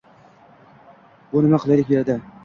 Bu nima qulaylik berdi?